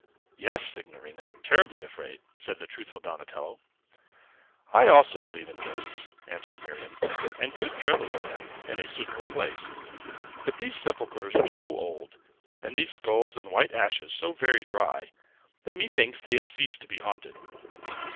"Yes, signorina; terribly afraid!" said the truthful Donatello. "I also believe in ghosts," answered Miriam, "and could tremble at them, in a suitable place. But these sepulchres are so old, and these skulls and white ashes so very dry, that methinks they have ceased to be haunted.